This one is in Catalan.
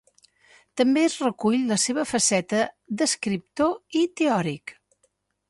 També es recull la seva faceta d'escriptor i teòric.